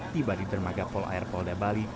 tiba di dermaga polo air polda bali